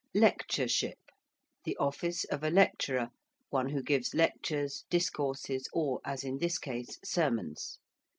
~lectureship~: the office of a lecturer, one who gives lectures, discourses, or (as in this case) sermons.